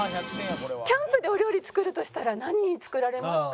キャンプでお料理作るとしたら何を作られますか？